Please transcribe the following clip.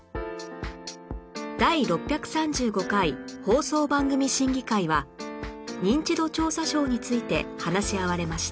第６３５回放送番組審議会は『ニンチド調査ショー』について話し合われました